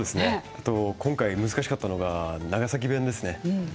今回、難しかったのは長崎弁ですね。